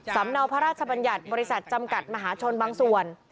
เนาพระราชบัญญัติบริษัทจำกัดมหาชนบางส่วน